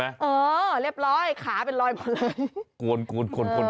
เออเรียบร้อยขาเป็นรอยหมดเลยกวน